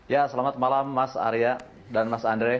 ya selamat malam mas arya dan mas andre